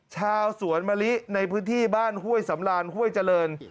ชาวสวนมะลิในพื้นที่บ้านห้วยสำรานห้วยเจริญ